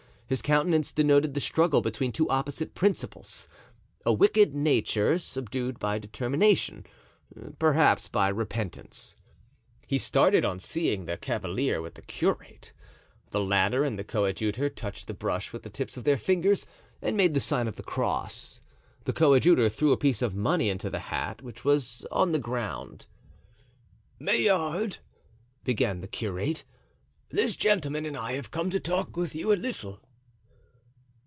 His countenance denoted the struggle between two opposite principles—a wicked nature, subdued by determination, perhaps by repentance. He started on seeing the cavalier with the curate. The latter and the coadjutor touched the brush with the tips of their fingers and made the sign of the cross; the coadjutor threw a piece of money into the hat, which was on the ground. "Maillard," began the curate, "this gentleman and I have come to talk with you a little."